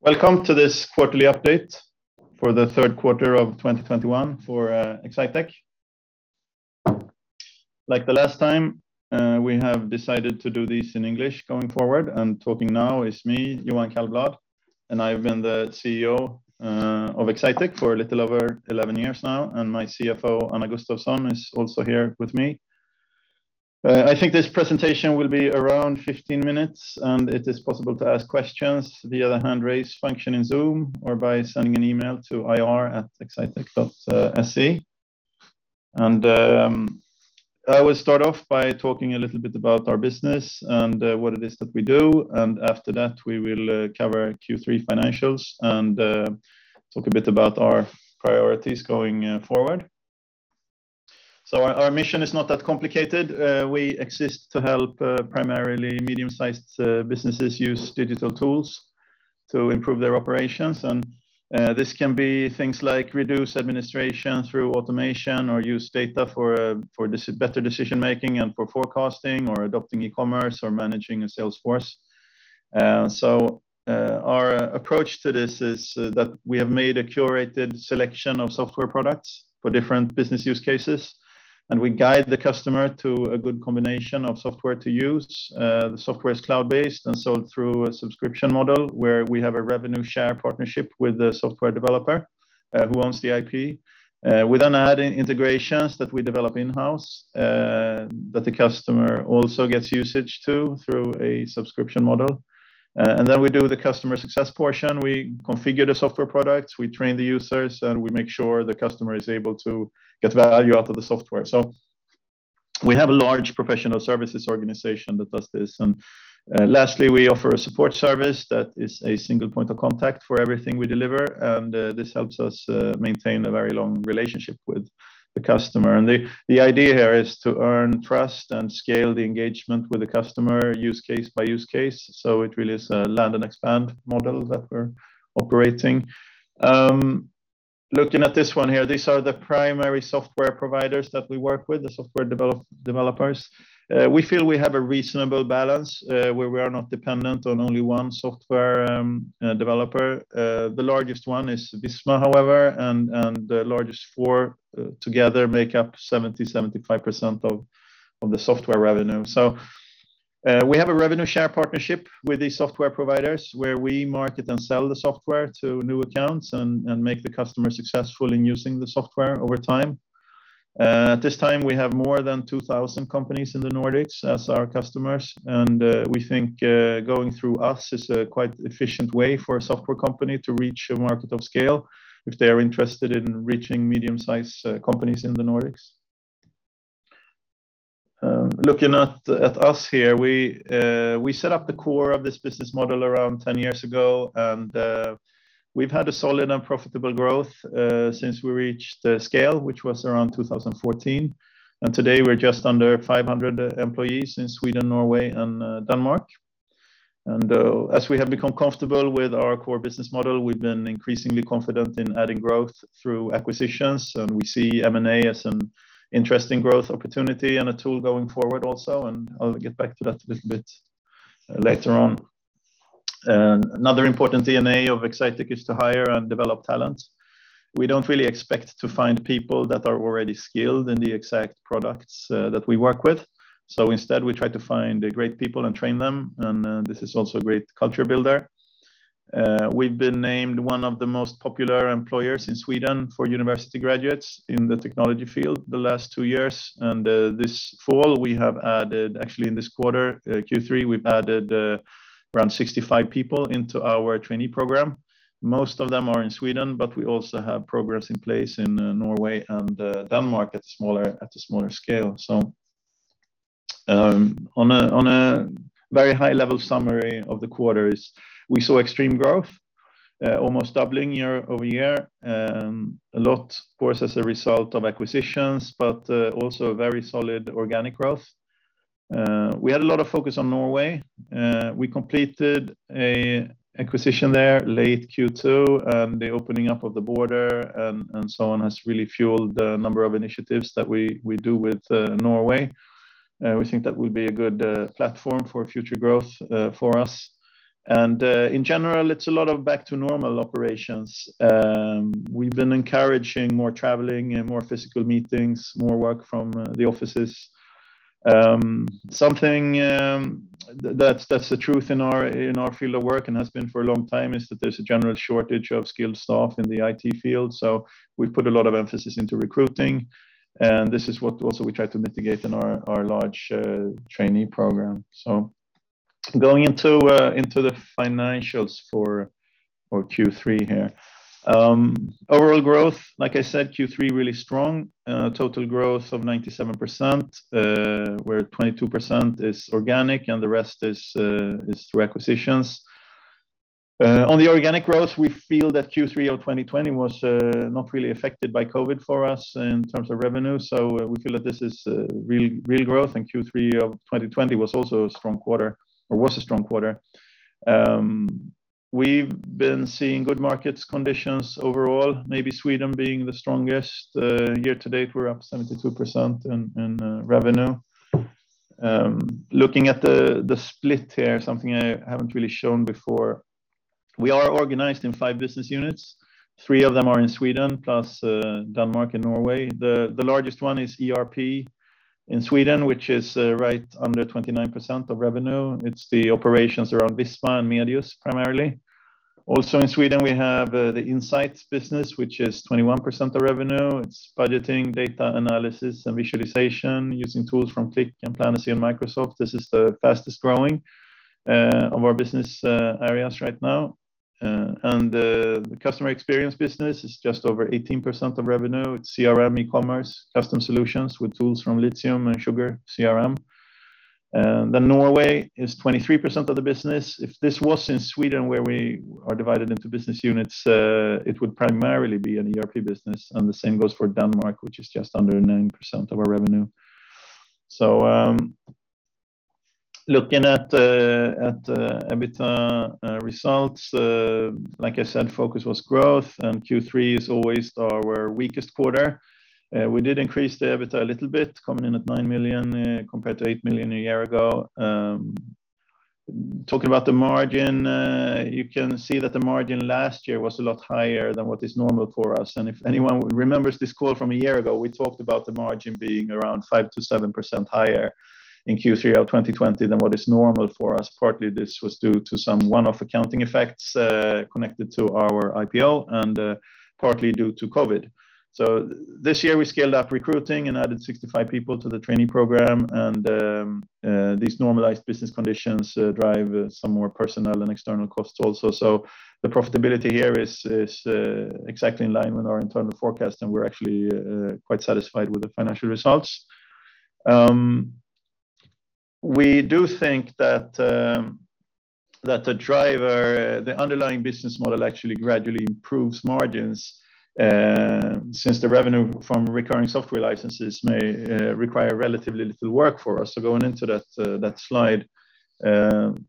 Welcome to this quarterly update for the third quarter of 2021 for Exsitec. Like the last time, we have decided to do this in English going forward. Talking now is me, Johan Kallblad, and I've been the CEO of Exsitec for a little over 11 years now. My CFO, Anna Gustafsson, is also here with me. I think this presentation will be around 15 minutes, and it is possible to ask questions via the hand raise function in Zoom or by sending an email to ir@exsitec.se. I will start off by talking a little bit about our business and what it is that we do. After that, we will cover Q3 financials and talk a bit about our priorities going forward. Our mission is not that complicated. We exist to help, primarily medium-sized, businesses use digital tools to improve their operations. This can be things like reduce administration through automation or use data for better decision-making and for forecasting or adopting e-commerce or managing a sales force. Our approach to this is that we have made a curated selection of software products for different business use cases, and we guide the customer to a good combination of software to use. The software is cloud-based and sold through a subscription model where we have a revenue share partnership with the software developer, who owns the IP. We then add in integrations that we develop in-house, that the customer also gets usage to through a subscription model. We do the customer success portion. We configure the software products, we train the users, and we make sure the customer is able to get value out of the software. We have a large professional services organization that does this. Lastly, we offer a support service that is a single point of contact for everything we deliver. This helps us maintain a very long relationship with the customer. The idea here is to earn trust and scale the engagement with the customer use case by use case. It really is a land and expand model that we're operating. Looking at this one here, these are the primary software providers that we work with, the software developers. We feel we have a reasonable balance where we are not dependent on only one software developer. The largest one is Visma, however, and the largest four together make up 75% of the software revenue. We have a revenue share partnership with these software providers where we market and sell the software to new accounts and make the customer successful in using the software over time. At this time we have more than 2,000 companies in the Nordics as our customers. We think going through us is a quite efficient way for a software company to reach a market of scale if they are interested in reaching medium-sized companies in the Nordics. Looking at us here, we set up the core of this business model around 10 years ago, and we've had a solid and profitable growth since we reached the scale, which was around 2014. Today, we're just under 500 employees in Sweden, Norway and Denmark. As we have become comfortable with our core business model, we've been increasingly confident in adding growth through acquisitions. We see M&A as an interesting growth opportunity and a tool going forward also, and I'll get back to that a little bit later on. Another important DNA of Exsitec is to hire and develop talent. We don't really expect to find people that are already skilled in the exact products that we work with. Instead, we try to find great people and train them. This is also a great culture builder. We've been named one of the most popular employers in Sweden for university graduates in the technology field the last 2 years. This fall, we have added. Actually, in this quarter, Q3, we've added around 65 people into our trainee program. Most of them are in Sweden, but we also have programs in place in Norway and Denmark at a smaller scale, so. On a very high-level summary of the quarter is we saw extreme growth, almost doubling year-over-year. A lot, of course, as a result of acquisitions, but also a very solid organic growth. We had a lot of focus on Norway. We completed an acquisition there late Q2, and the opening up of the border and so on has really fueled the number of initiatives that we do with Norway. We think that will be a good platform for future growth for us. In general, it's a lot of back to normal operations. We've been encouraging more traveling and more physical meetings, more work from the offices. Something that's the truth in our field of work and has been for a long time is that there's a general shortage of skilled staff in the IT field, so we put a lot of emphasis into recruiting. This is what we also try to mitigate in our large trainee program, so. Going into the financials for Q3 here. Overall growth, like I said, Q3 really strong. Total growth of 97%, where 22% is organic and the rest is through acquisitions. On the organic growth, we feel that Q3 of 2020 was not really affected by COVID for us in terms of revenue, so we feel that this is real growth. Q3 of 2020 was also a strong quarter. We've been seeing good market conditions overall, maybe Sweden being the strongest. Year to date, we're up 72% in revenue. Looking at the split here, something I haven't really shown before. We are organized in five business units. Three of them are in Sweden, plus Denmark and Norway. The largest one is ERP in Sweden, which is right under 29% of revenue. It's the operations around Visma and Medius primarily. Also in Sweden, we have the insights business, which is 21% of revenue. It's budgeting, data analysis, and visualization using tools from Qlik and Planacy and Microsoft. This is the fastest growing of our business areas right now. The customer experience business is just over 18% of revenue. It's CRM, e-commerce, custom solutions with tools from Litium and SugarCRM. Norway is 23% of the business. If this was in Sweden, where we are divided into business units, it would primarily be an ERP business, and the same goes for Denmark, which is just under 9% of our revenue. Looking at the EBITDA results, like I said, focus was growth, and Q3 is always our weakest quarter. We did increase the EBITDA a little bit, coming in at 9 million compared to 8 million a year ago. Talking about the margin, you can see that the margin last year was a lot higher than what is normal for us. If anyone remembers this call from a year ago, we talked about the margin being around 5%-7% higher in Q3 of 2020 than what is normal for us. Partly this was due to some one-off accounting effects connected to our IPO and partly due to COVID. This year, we scaled up recruiting and added 65 people to the training program and these normalized business conditions drive some more personnel and external costs also. The profitability here is exactly in line with our internal forecast, and we're actually quite satisfied with the financial results. We do think that the underlying business model actually gradually improves margins since the revenue from recurring software licenses may require relatively little work for us. Going into that slide, in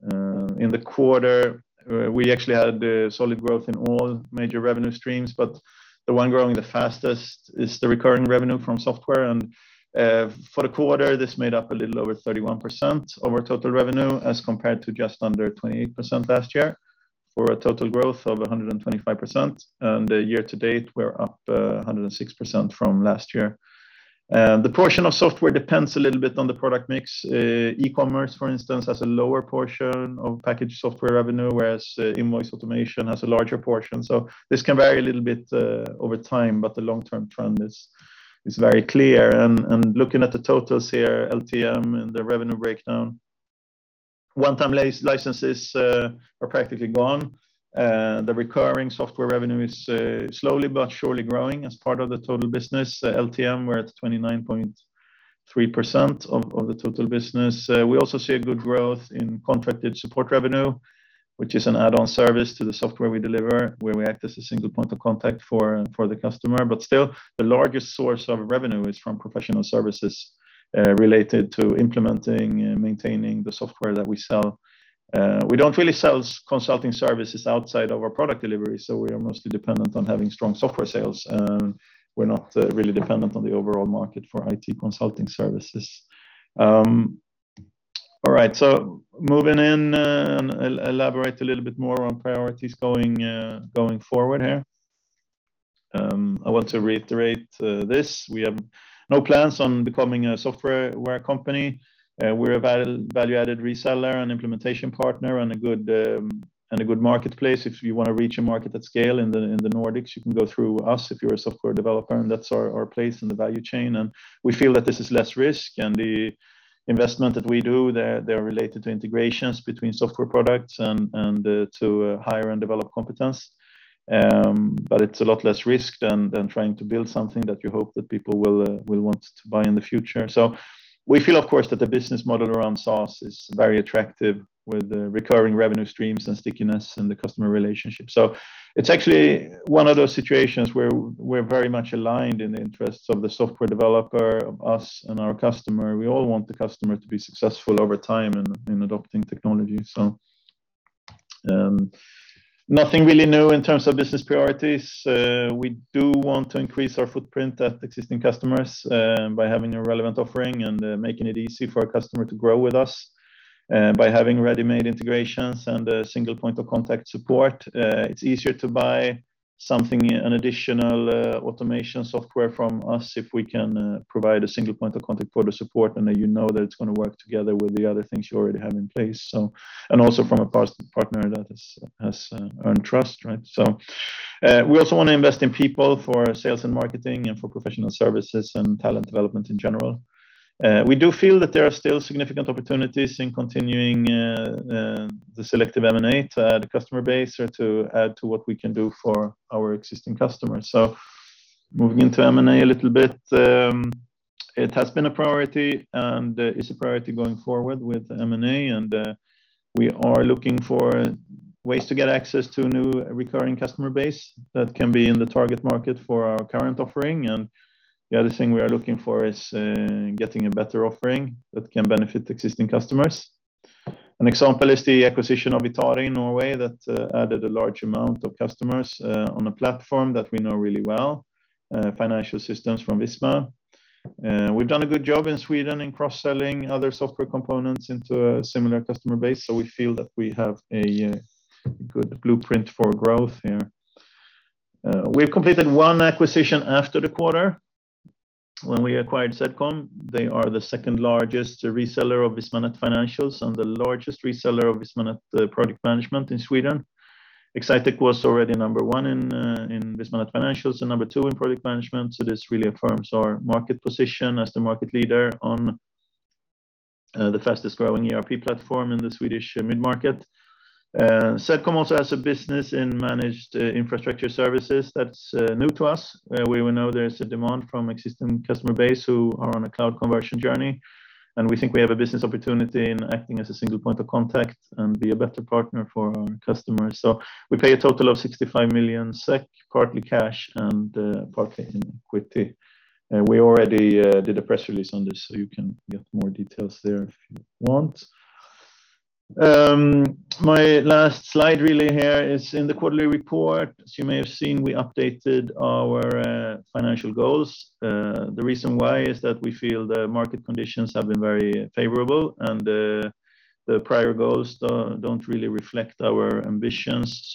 the quarter, we actually had solid growth in all major revenue streams, but the one growing the fastest is the recurring revenue from software. For the quarter, this made up a little over 31% of our total revenue as compared to just under 28% last year, for a total growth of 125%. Year to date, we're up 106% from last year. The portion of software depends a little bit on the product mix. E-commerce, for instance, has a lower portion of packaged software revenue, whereas invoice automation has a larger portion. This can vary a little bit over time, but the long-term trend is very clear. Looking at the totals here, LTM and the revenue breakdown. One-time licenses are practically gone. The recurring software revenue is slowly but surely growing as part of the total business. LTM, we're at 29.3% of the total business. We also see a good growth in contracted support revenue, which is an add-on service to the software we deliver, where we act as a single point of contact for the customer. Still, the largest source of revenue is from professional services related to implementing and maintaining the software that we sell. We don't really sell consulting services outside of our product delivery, so we are mostly dependent on having strong software sales. We're not really dependent on the overall market for IT consulting services. All right, moving on and elaborate a little bit more on priorities going forward here. I want to reiterate this. We have no plans on becoming a software company. We're a value-added reseller and implementation partner and a good marketplace. If you wanna reach a market at scale in the Nordics, you can go through us if you're a software developer, and that's our place in the value chain. We feel that this is less risk, and the investment that we do, they're related to integrations between software products and to hire and develop competence. But it's a lot less risk than trying to build something that you hope that people will want to buy in the future. We feel, of course, that the business model around SaaS is very attractive with the recurring revenue streams and stickiness in the customer relationship. It's actually one of those situations where we're very much aligned in the interests of the software developer, us, and our customer. We all want the customer to be successful over time in adopting technology. Nothing really new in terms of business priorities. We do want to increase our footprint at existing customers by having a relevant offering and making it easy for a customer to grow with us. By having ready-made integrations and a single point of contact support, it's easier to buy something, an additional, automation software from us if we can provide a single point of contact for the support and that you know that it's gonna work together with the other things you already have in place. From a partner that has earned trust, right? We also wanna invest in people for sales and marketing and for professional services and talent development in general. We do feel that there are still significant opportunities in continuing the selective M&A to add a customer base or to add to what we can do for our existing customers. Moving into M&A a little bit. It has been a priority and is a priority going forward with M&A and we are looking for ways to get access to a new recurring customer base that can be in the target market for our current offering. The other thing we are looking for is getting a better offering that can benefit existing customers. An example is the acquisition of Vitari in Norway that added a large amount of customers on a platform that we know really well, financial systems from Visma. We've done a good job in Sweden in cross-selling other software components into a similar customer base. We feel that we have a good blueprint for growth here. We've completed one acquisition after the quarter when we acquired Zedcom. They are the second-largest reseller of Visma.net Financials and the largest reseller of Visma.net Project Management in Sweden. Exsitec was already number one in Visma.net Financials and number two in Project Management, so this really affirms our market position as the market leader on the fastest growing ERP platform in the Swedish mid-market. Zedcom also has a business in managed infrastructure services that's new to us. We know there's a demand from existing customer base who are on a cloud conversion journey, and we think we have a business opportunity in acting as a single point of contact and be a better partner for our customers. We pay a total of 65 million SEK, partly cash and partly in equity. We already did a press release on this, so you can get more details there if you want. My last slide really here is in the quarterly report. As you may have seen, we updated our financial goals. The reason why is that we feel the market conditions have been very favorable, and the prior goals don't really reflect our ambitions.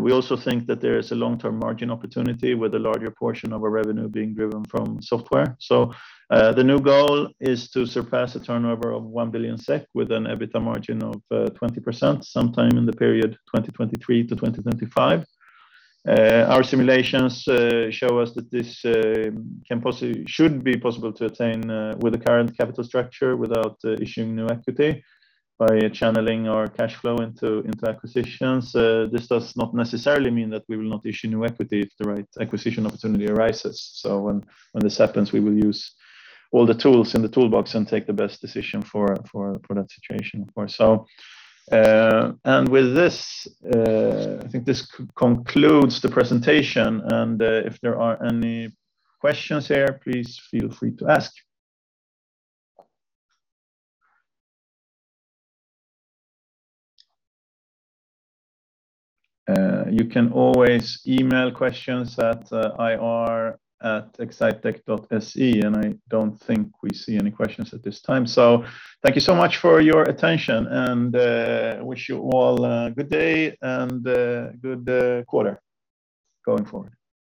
We also think that there is a long-term margin opportunity with a larger portion of our revenue being driven from software. The new goal is to surpass a turnover of 1 billion SEK with an EBITDA margin of 20% sometime in the period 2023-2025. Our simulations show us that this should be possible to attain with the current capital structure without issuing new equity by channeling our cash flow into acquisitions. This does not necessarily mean that we will not issue new equity if the right acquisition opportunity arises. When this happens, we will use all the tools in the toolbox and take the best decision for that situation, of course. With this, I think this concludes the presentation. If there are any questions here, please feel free to ask. You can always email questions at ir@exsitec.se, and I don't think we see any questions at this time. Thank you so much for your attention, and wish you all a good day and a good quarter going forward.